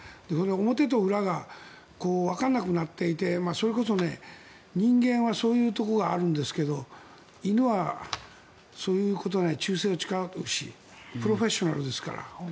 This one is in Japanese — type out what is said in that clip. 表と裏がわからなくなっていてそれこそ人間はそういうところがあるんですけど犬は、そういうことはないし忠誠を誓うしプロフェッショナルですから。